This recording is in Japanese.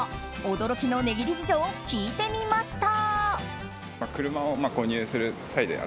驚きの値切り事情聞いてみました。